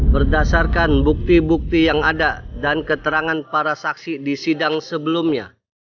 berdasarkan bukti bukti yang ada dan keterangan para saksi di sidang sebelumnya